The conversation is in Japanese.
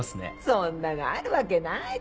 そんなのあるわけないじゃん。